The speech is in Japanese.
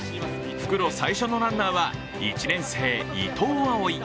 復路最初のランナーは１年生、伊藤蒼唯。